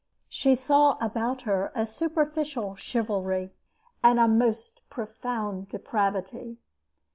She saw about her a superficial chivalry and a most profound depravity.